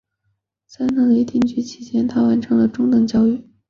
在那里居住期间她完成了中等教育。